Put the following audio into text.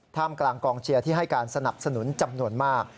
มกลางกองเชียร์ที่ให้การสนับสนุนจำนวนมาก